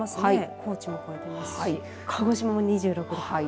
高知も超えていますし鹿児島も２６度。